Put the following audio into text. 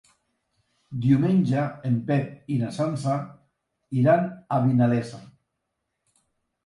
Diumenge en Pep i na Sança iran a Vinalesa.